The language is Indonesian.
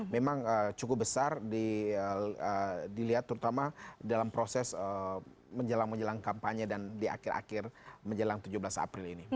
memang cukup besar dilihat terutama dalam proses menjelang menjelang kampanye dan di akhir akhir menjelang tujuh belas april ini